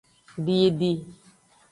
Didi.